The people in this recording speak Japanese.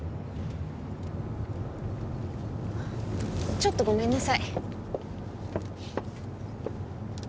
ちょっとごめんなさい。